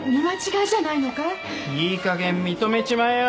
いいかげん認めちまえよ！